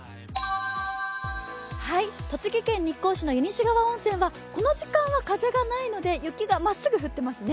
栃木県日光市の湯西川温泉はこの時間は風がないので雪がまっすぐ降っていますね。